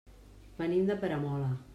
Venim de Peramola.